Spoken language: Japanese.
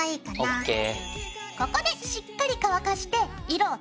ＯＫ。